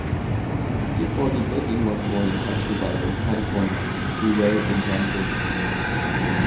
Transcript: Clifford Lee Burton was born in Castro Valley, California, to Ray and Jan Burton.